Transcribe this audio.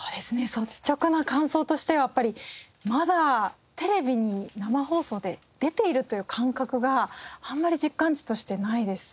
率直な感想としてはやっぱりまだテレビに生放送で出ているという感覚があんまり実感値としてないです。